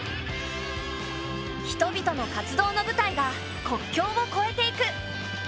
人々の活動の舞台が国境をこえていく。